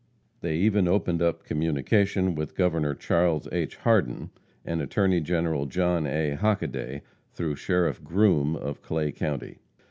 They even opened up communication with Governor Charles H. Hardin and Attorney General John A. Hockaday, through Sheriff Groome, of Clay county.